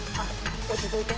落ち着いて。